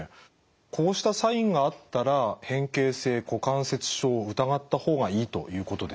こうしたサインがあったら変形性股関節症を疑った方がいいということですか？